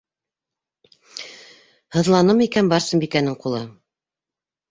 Һыҙланымы икән Барсынбикәнең ҡулы?